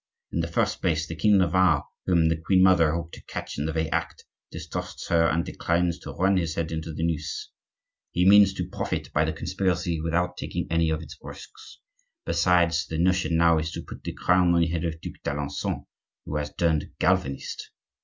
In the first place, the king of Navarre, whom the queen mother hoped to catch in the very act, distrusts her, and declines to run his head into the noose. He means to profit by the conspiracy without taking any of its risks. Besides, the notion now is to put the crown on the head of the Duc d'Alencon, who has turned Calvinist."